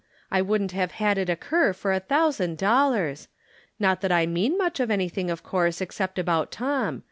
I wouldn't have had it occur for a thousand dollars ! Not that I mean much of any thing, of course, except about Tom.